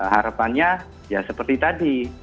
harapannya seperti tadi